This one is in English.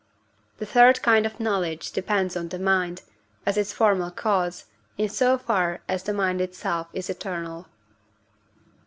The third kind of knowledge depends on the mind, as its formal cause, in so far as the mind itself is eternal.